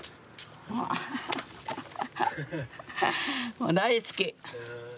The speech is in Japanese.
もう大好き。